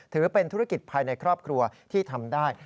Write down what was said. ถือเป็นธุรกิจภายในครอบครัวที่ทำได้